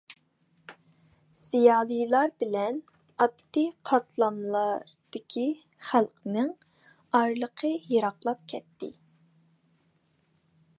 زىيالىيلار بىلەن ئاددىي قاتلاملاردىكى خەلقنىڭ ئارىلىقى يىراقلاپ كەتتى.